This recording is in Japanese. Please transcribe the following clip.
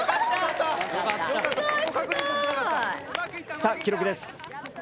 さあ記録です。